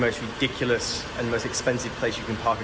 saya parkir di airport yang adalah tempat yang paling berguna dan paling mahal